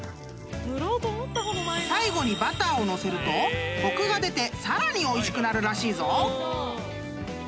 ［最後にバターを載せるとコクが出てさらにおいしくなるらしいぞ］